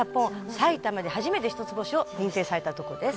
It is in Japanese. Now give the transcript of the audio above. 埼玉で初めて一つ星を認定された所です」